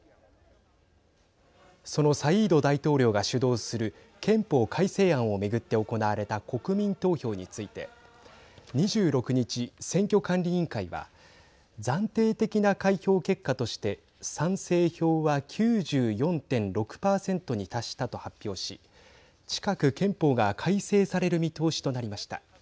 そのサイード大統領が主導する憲法改正案を巡って行われた国民投票について２６日、選挙管理委員会は暫定的な開票結果として賛成票は９４．６％に達したと発表し近く、憲法が改正される見通しとなりました。